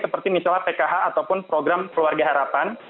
seperti misalnya pkh ataupun program keluarga harapan